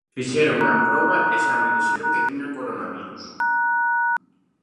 Fixéronme a proba e xa me dixeron que tiña coronavirus.